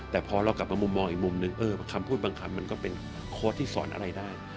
แต่พอเรากลับมามุมมองอีกมุมนึงคำพูดบางคำมันก็เป็นโค้ดที่สอนอะไรได้